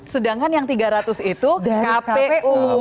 sedangkan yang tiga ratus itu kpu